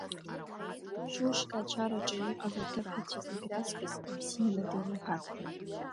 Шьушька ачараҿы иҟаз аҭыԥҳацәа зегь раҵкыс ибзианы деилаҳәан.